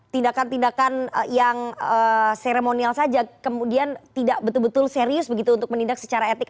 tindakan tindakan yang seremonial saja kemudian tidak betul betul serius begitu untuk menindak secara etik